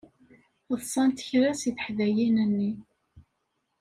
Ḍsant kra seg teḥdayin-nni.